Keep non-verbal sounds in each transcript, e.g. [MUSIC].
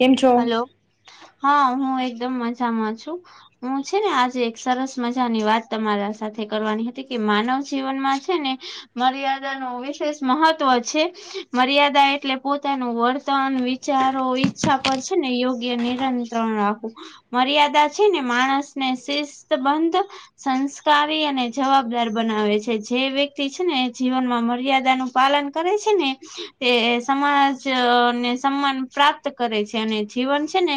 કેમ છો? હલો હા હું એકદમ મજામાં છું. હું છે ને આજે એક સરસ મજાની વાત તમારા સાથે કરવાની હતી કે માનવ જીવનમાં છે ને મર્યાદાનુ વિશેષ મહત્વ છે. મર્યાદા એટલે પોતાનું વર્તન વિચારો ઈચ્છા ઉપર છે ને યોગ્ય નિયંત્રણ રાખવું. મર્યાદા છે ને માણસ ને શિસ્તબંધ સંસ્કારી અને જવાબદાર બનાવે છે જે વ્યક્તિ છે ને એ જીવનમાં મર્યાદાનું પાલન કરે છે ને તે સમાજને સન્માન પ્રાપ્ત કરે છે. અને જીવન છે ને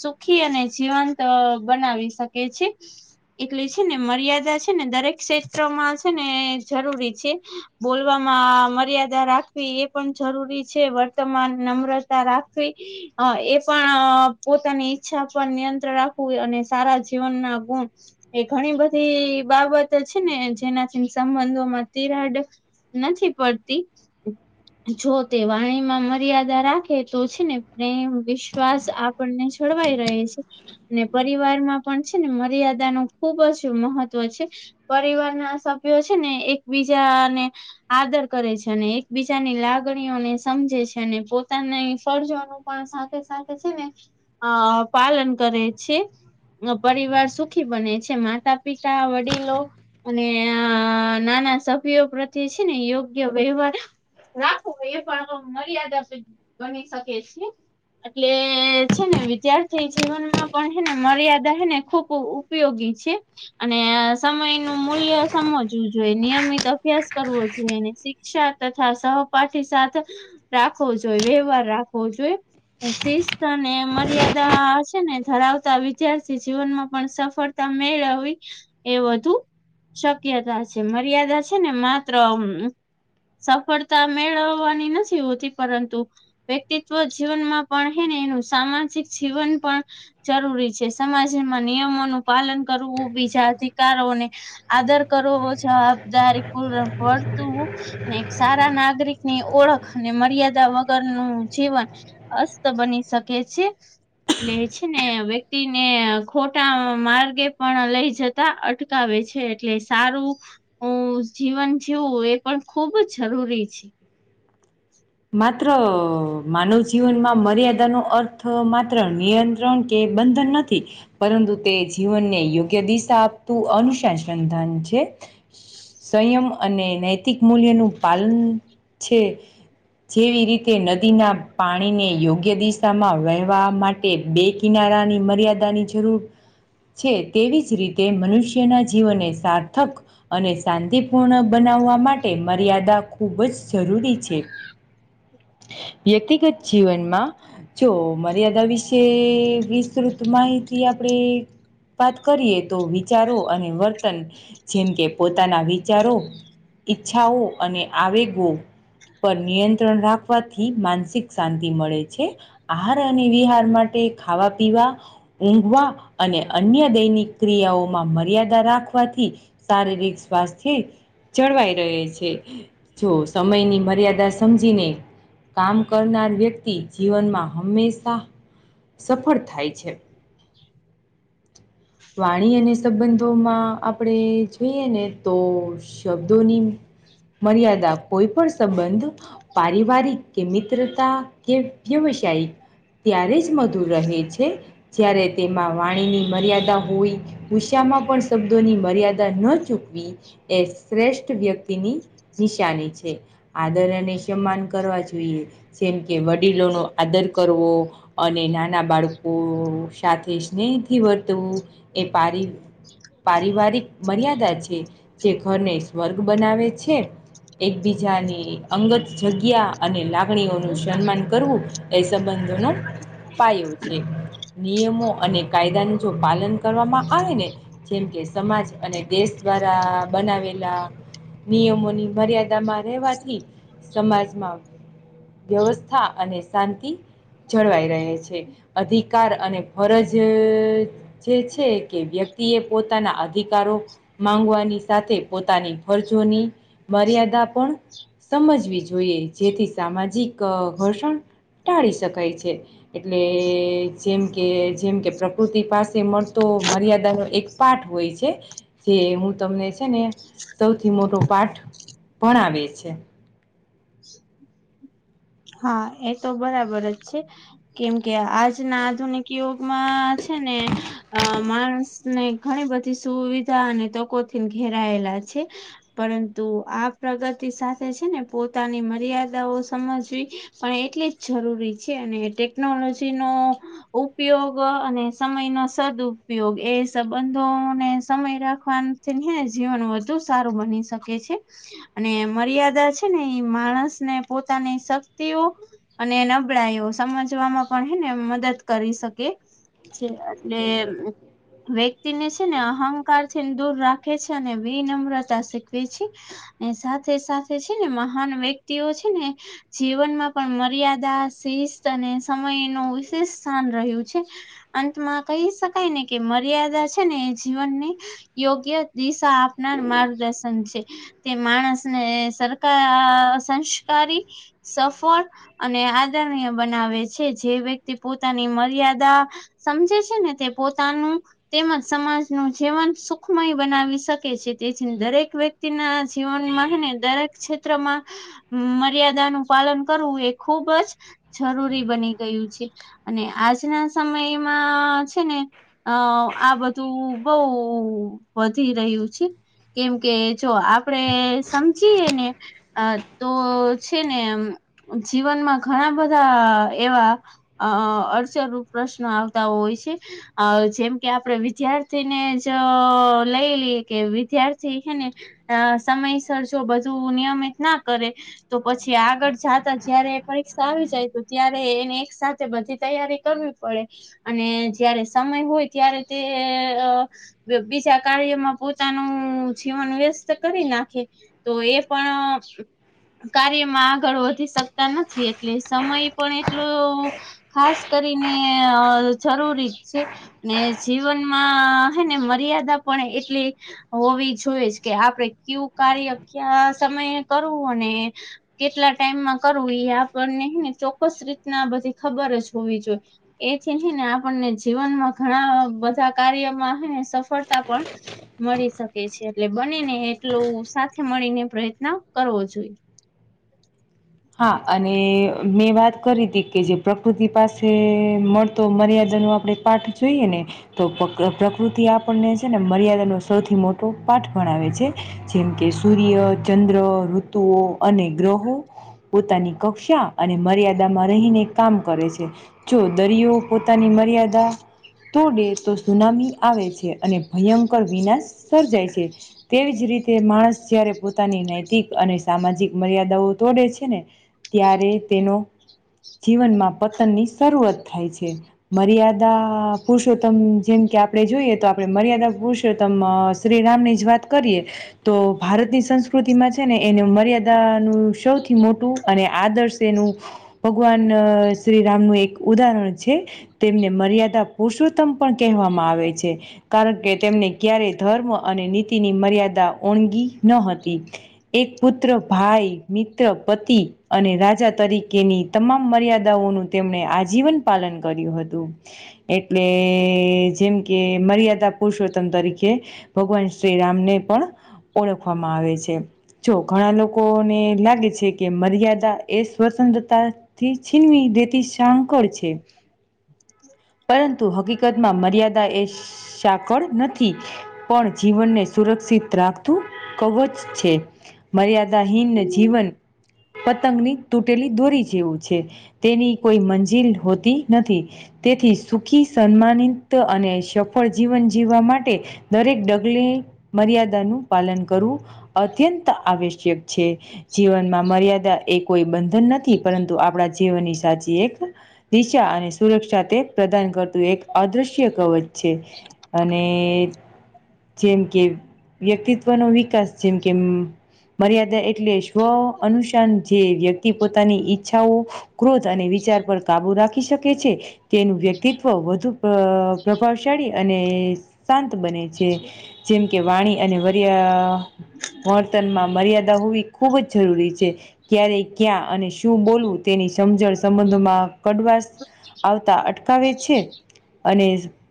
સુખી અને જીવંત બનાવી શકે છે. એટલે છે ને મર્યાદા છે ને દરેક ક્ષેત્રમાં છે ને જરૂરી છે. બોલવામાં મર્યાદા રાખવી એ પણ જરૂરી છે વર્તમાન નમ્રતા રાખવી હ એ પણ પોતાની ઈચ્છા પર નિયંત્ર રાખવું અને સારા જીવનના ગુણ એ ઘણી બધી બાબત છે ને જેનાથી સંબંધોમાં તિરાડ નથી પડતી. જો તે વાણી માં મર્યાદા રાખે તો છે ને. ને વિશ્વાસ આપણને છોડવાઈ રહે છે. અને પરિવારમાં પણ છે ને મર્યાદા ન ખુબ જ મહત્વ છે. પરિવાર ના સભ્યો છે ને એકબીજા ને આદર કરે છે અને એકબીજાની લાગણીઓને સમજે છે અનેને પોતાની ફરજોનું પણ સાથે સાથે છે ને અ પાલન કરે છે. પરિવાર સુખી બને છે માતા પિતા વડીલો અને નાના સભ્યો પ્રત્યે છે ને યોગ્ય વ્યહાર રાખો એ પણ મર્યાદા આપ ગની શકે છીએ એટલે છે ને વિદ્યાર્થી જીવનમાં પણ હને મર્યાદા હને ખુબ ઉપયોગી છે. અને સમય મૂલ્ય સમજવું જોઈએ નિયમિત અભ્યાસ કરવો જોઈએ અને શિક્ષા તથા સહપાઠી સાથે રાખવો જોઈ વ્યવહાર રાખવો જોઈએ શિસ્ત ને મર્યાદા ને ધરાવતા વિદ્યાર્થી જીવનમાં પણ સફળતા મેળવી એ વધુ શક્યતા છે મર્યાદા છે ને માત્ર એમ સફળતા મેળવવાની નથી હોતી પરંતુ વ્યક્તિત્વ જ જીવનમાં પણ હે ને એનું સામાજિક જીવન પણ જરૂરી છે સમાજમાં નિયમોનું પાલન કરવું બીજા અધિકારોને આદર કરવો જવા દારીપુર [UNINTELLIGIBLE] પર એક સારા નાગરિકની ઓળખ અને મર્યાદા વગરનું જીવન અસ્ત બની શકે છે. એટલે છે ને વ્યક્તિને ખોટા માર્ગે પણ લઈ જતા તા અટકાવે છે એટલે સારું જીવન જીવું એ પણ ખુબ જરૂરી છે. માત્ર માનવ જીવનમાં મર્યાદાનો અર્થ માત્ર નિયંત્ર ત્રણ કે બંધન નથી. પરંતુ તે જીવનને યોગ્ય દિશા આપતું અનુસંધાન છે. સંયમ અને નૈતિક મૂલ્યનું પાલન છે. જેવી રીતે નદીનાં પાણીને યોગ્ય દિશામાં વહેવા માટ એક બે કિનારાની મર્યાદાની જરૂર છે તેવી જ રીતે મનુષ્યના જીવને સાર્થક અને શાંતિપૂર્ણ બનાવવા માટે મર્યાદા ખૂબ જ જરૂરી છે. વ્યક્તિગત જીવનમાં જો મર્યાદા વિ.. શે વિસ્તૃત માહિતી આપણે વાત કરીએ તો વિચારો અને વર્તન. જેમ કે પોતાના વિચારો ઈચ્છાઓ અને આવેગો પર નિયં ત્રણ રાખવાથી માનસિક શાંતિ મળે છે. આહાર અને વિહાર માટે ખાવા -પીવા ઊંઘવા અને અન્ય દૈનિક ક્રિયાઓમાં મર્યાદા રાખવાથી શારીરિક સ્વાસ્થ્ય જળવાઈ રહે છે. જો સમયની મર્યાદા સમજીને કામ કરનાર વ્યક્તિ જીવનમાં હંમેશા સફળ થાય છે. વાણી અને સંબંધોમાં આપણે જોઈએ ને તો શબ્દોની મર્યાદા કોઈ પણ સંબંધ પારિવારિક કે મિત્રતા કે ક્યેવસાયિક ત્યારે જ મધુર રહે છે. જ્યારે તેમાં વાણીની મર્યાદા હોય ઉષામાં પણ શબ્દોની મર્યાદા ન ચૂકવી એ શ્રેષ્ઠ વ્યક્તિની નિશાની છે. આદર અને સન્માન કરવા જોઈએ. જેમ કે વડીલોનો આદર કરવો અને નાનાં બાળકો સાથે સ્નેહથી વર્તવું. એ પારી- પારિવારિક મર્યાદા છે. જે ઘરને સ્વર્ગ બનાવે છે. એકબીજાની અંગત જગ્યા અને લાગણીઓનું સન્માન કરવું એ સંબંધોનો પાયો છે. નિયમો અને કાયદા જો પાલન કરવામાં આવે ને જેમ કે સમાજ અને દેશ દ્વારા બનાવેલા નિયમોની મર્યાદામાં રહેવાથી સમાજમાં વ્યવસ્થા અને શાંતિ જળવાઈ રહે છે. અધિકાર અને ફરજ.. જે છે કે વ્યક્તિએ પોતાના અધિકારો માંગવાની સાથે પોતાની ફરજોની મર્યાદા પણ સમજવી જોઈએ. જેથી સામાજિક ઘર્ષણ ટાળી શકાય છે. એટલે.. જેમ કે જેમકે પ્રકૃતિ પાસે તે મળતો મર્યાદાનો એક પાઠ હોય છે. કે હું તમને છે ને સૌથી મોટો પાઠ ભણાવે છે. હા એ તો બરાબર જ છે. કેમ કે આજના આધુનિક યુગમાં છે ને અ માણસને ઘણી બધી સુવિધા અને તકોથી ઘેરાયેલા છે. પરંતુ આ પ્રગતિ સાથે છેને પોતાની મર્યાદાઓ સમજવી પણ એટલી જ જરૂરી છે. અને ટેક્નોલોજીનો ઉપયોગ અને સમયનો સદ્ઉપયોગ. એ સંબંધોને સમય રાખવાનો તેથીને જીવન વધુ સારું બની શકે છે. અને મર્યાદા છેને એ માણસને પોતાની શક્ ક્તિઓ અને નબળાઈઓ સમજવામાં પણ હેને મદદ કરી શકે. છે અટલે.. વ્યક્તિને છે ને અહંકાર ને દૂર રાખે છે અને વિનમ્રતા શીખવે છે. ને સાથે સાથે છે ને મહાન વ્યક્તિઓ છે ને જીવનમાં પણ મર્યાદા શિસ્ત અને સમયનો વિશેષ સ્થાન રહ્યું છે. અંતમાં કહી શકાય ને કે મર્યાદા છે ને એ જીવનની યોગ્ય દિશા આપનાર માર્ગદર્શન છે. તે માણસને સરકાર અહ સંસ્કારી સફળ અને આદરણીય બનાવે છે જે વ્યક્તિ પોતાની મર્યાદા સમજે છે ને તે પોતાનું તેમજ સમાજનું જીવન સુખમય બનાવી શકે છે તેથીન દરેક વ્યક્ તી ના જીવનમાંને દરેક ક્ષેત્રમાં મર્યાદાનું પાલન કરવું એ ખુબ જ જરૂરી બની ગયું છે અને આજના સમયમાં છે ને આ બધું બહુ વધી રહ્યું છે. કેમ કે જો આપડે સમજીએ ને અહ તો છે ને એમ અહ જીવનમાં ઘણા બધા એવા અહ અડચરરૂપ પ્રશ્ન આવતા હોય છે. અહ જેમ કે આપડે વિદ્યાર્થીને જ લઈ લઈએ કે વિદ્યાર્થી હેને અહ સમયસર જો બધું નિયમિત ના કરે તો પછી આગળ જાતા જયારે પરીક્ષા આવી જાય તો ત્યારે એને એક સાથે બધી તૈયારી કરવી પડે અને જયારે સમય હોય ત્યારે તે અહ બી-બીજા કાર્યમા પોતાનુ જીવન વ્યસ્ત કરી નાખે. તો એ પણ અહ કાર્યમાં આગળ વ ધી શકતા નથી એટલે સમય પણ એટલો ખાસ કરીને અહ જરૂરી છે. ને જીવનમાં હે ને મર્યાદા પણ એટલી હોવી જોઈએ જ કે આપડે કયુ કાર્ય ક્યા સમયે કરવું ને કેટલા ટાઈમમાં કરવું એ આપણને હે ને ચોક્કસ રીતના આ બધી ખબર જ હોવી જોઈએ. એથી છે ને આપણને જીવનમાં ઘણા બધા કાર્યમાં હે ને સફળતા પણ મળી શ કે છે એટલે બનેને એટલુ સાથે મળીને પ્રયત્ન કરવો જોઈએ. હા અને મેં વાત કરી તી કે જે પ્રકૃતિ પાસે મળતો મર્યાદાનો આપડે પાઠ જોઈએ ને તો પ્ર પ્રકૃતિ આપણને છે ને મર્યાદાનો સૌથી મોટો પાઠ ભણાવ છે. જેમ કે સૂર્ય, ચંદ્ર, ઋતુઓ અને ગ્રહો પોતાની કક્ષા અને મર્યાદામાં રહીને કામ કરે છે. જો દરિયો પોતાની મર્યાદા તોડે તો સુનામી આવે છે અને ભયંકર વિનાશ સર્જાય છે. તેવી જ રીત તે માણસ જયારે પોતાની નૈતિક અને સામાજિક મર્યાદાઓ તોડે છ છેને ત્યારે તેનો જીવનમાં પતન ની શરૂઆત થાય છે. મર્યાદા પુરુષોત્તમ જેમ કે આપડે જોઈએ તો આપડે મર્યાદા પુરુષોત્તમ અહ શ્રીરામની જ વાત કરીએ તો ભારતની સંસ્કૃતિમાં છે ને એને મર્યાદાનું સૌથી મોટું અને આદર્શ એનું ભગવાન અહ શ્રીરામનું એક ઉદાહરણ છે. તેમને મર્યાદા પુરુષોત્તમ પણ કહેવામાં આવે છે. કારણ કે તેમને ક્યારેય ધર્મ અને નીતિની મર્યાદા ઓણગી નો હતી. એક પુત્ર ભાઈ ની પતિ અને રાજા તરીકેની તમામ મર્યાદાઓનું તેમણે આજીવન પાલન કર્યું હતું.. એટલે એ--' જેમ કે મર્યાદા પુરુષોત્તમ તરીકે ભગવાન શ્રીરામને પણ ઓળખવામાં આવે છે જો ઘણા લોકોને લાગેછ છે કે મર્યાદા એ સ્વતંત્રતા થી છીનવી દેતી સાકળ છે. પરંતુ હકીકતમાં મર્યાદા એ સાકળ નથી. [UNINTELLIGIBLE] પણ જીવનને સુરક્ષિત રાખતું કવચ છે. [UNINTELLIGIBLE] મર્યાદાહીન જીવન પતંગની તૂટેલી દોરી જેવું છે, તેની કોઈ મંજિલ હોતી નથી. તેથી સુખી સન્માનિત અને સફળ જીવન માટે દરેક ડગલે મર્યાદાનું પાલન કરવું અત્યંત આવશ્યક છે. જીવનમાં મર્યાદા એ કોઈ બંધન નથી પરંતુ આપણા જીવનની સાચી એક. દિશા અને સુરક્ષા તે પ્રદાન કરતું એક અદૃશ્ય કવચ છે. અને જેમ કે વ્યક્તિત્વનો વી કાસ જેમ કેમ મર્યાદા એટલે શો? અનુશાસન જે વ્યક્તિ પોતાની ઈચ્છાઓ ક્રોધ અને વિચાર પર કાબુ રાખી શકે છે. તેનું વ્યક્તિત્વ વધુ પ્રભાવશાળી અને શાંત [INAUDIBLE] બને. છે જેમ કે વાણી અન [INAUDIBLE] વર્તનમાં મર્યાદા હોવી ખૂબ જ જરૂરી છે. ક્યારે ક્યાં અને શું બોલવું તેની સમજણ સંબંધોમાં કડવાશ આવતા અટકાવે છે અને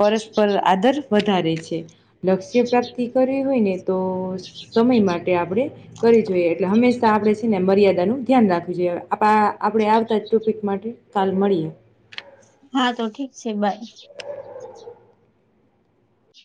પરસ્પર આદર વધારે છે. લક્ષ્ય પ્રાપ્તિ કરવી હોય ને તો, સમય માટે આપણે કરી જોઈએ એટલે હંમેશા આપણેે ને મર્યાદાનું ધ્યાન રાખજે. જોઈએ આપ આપણે આ બધા ટોપિક માટે કાલ મળીએ. હા તો ઠીક છે બાય.